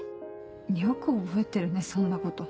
よく覚えてるねそんなこと。